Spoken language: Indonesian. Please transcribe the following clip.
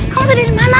kamu tuh dari mana